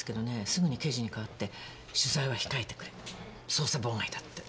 すぐに刑事に代わって「取材は控えてくれ捜査妨害だ」って。